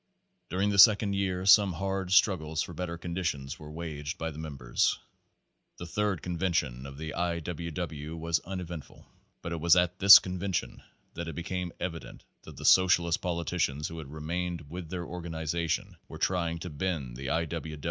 During the second year some hard struggles for better conditions were waged by the members. Page Eight The Third convention of the I. W. W. was unevent ful. But it was at this convention that it became evi dent that the socialist politicians who had remained with the organization were trying to bend the I.